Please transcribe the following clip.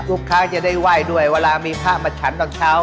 ทุกครั้งจะได้ไหว้ด้วยเวลามีพระมาฉันตอนเช้า